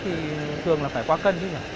thường là phải qua cân chứ nhỉ